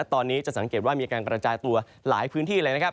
ตอนนี้จะสังเกตว่ามีการกระจายตัวหลายพื้นที่เลยนะครับ